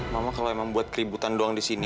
mama kalau emang buat keributan doang di sini